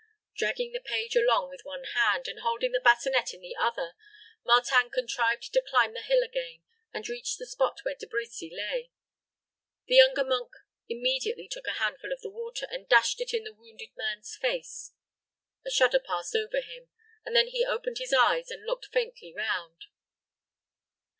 Dragging the page along with one hand, and holding the bassinet in the other, Martin contrived to climb the hill again, and reach the spot where De Brecy lay. The younger monk immediately took a handful of the water, and dashed it in the wounded man's face. A shudder passed over him, and then he opened his eyes and looked faintly round.